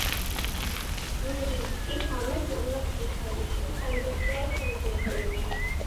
«مۈڭگۈزدىكى ئامەت» ناملىق ھېكايىسى خەنزۇچىغا تەرجىمە قىلىنغان.